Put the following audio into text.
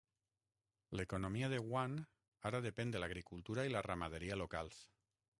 L'economia de Wann ara depèn de l'agricultura i la ramaderia locals.